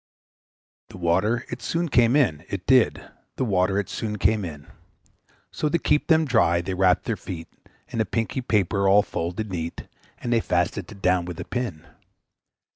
The water it soon came in, it did, The water it soon came in; So to keep them dry, they wrapped their feet In a pinky paper all folded neat, And they fastened it down with a pin.